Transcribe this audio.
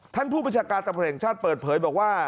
ผู้บัญชาการตำรวจแห่งชาติเปิดเผยบอกว่า